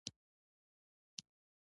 نوي مالیات او نوي اندازې یې وټاکلې.